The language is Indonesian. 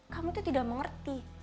kamu itu tidak mengerti